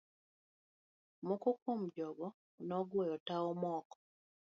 Moko kuom jogo ne ogwe tawo, moko